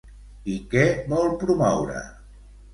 I què vol promoure?